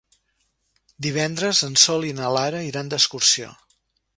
Divendres en Sol i na Lara iran d'excursió.